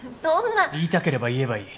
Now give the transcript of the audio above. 言いたければ言えばいい。